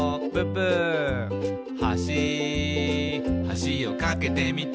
「はしはしを架けてみた」